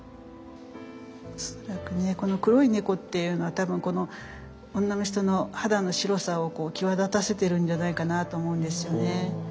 恐らくねこの黒い猫っていうのは多分この女の人の肌の白さを際立たせてるんじゃないかなと思うんですよね。